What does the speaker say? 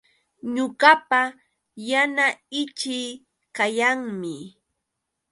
Ñuqapa yana ichii kayanmi